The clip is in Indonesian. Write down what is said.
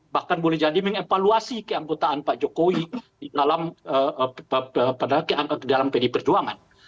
bahkan boleh jadi mengevaluasi keanggotaan pak jokowi dalam pd perjuangan